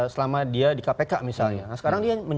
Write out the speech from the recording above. selama dia di kpk misalnya sekarang